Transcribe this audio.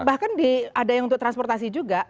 bahkan ada yang untuk transportasi juga